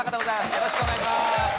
よろしくお願いします。